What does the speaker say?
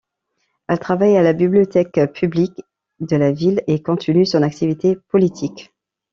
Elle travaille à la bibliothèque publique de la ville, et continue son activité politique.